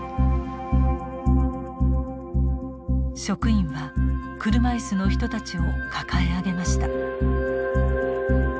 職員は車椅子の人たちを抱え上げました。